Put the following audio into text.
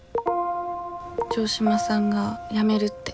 城島さんが辞めるって。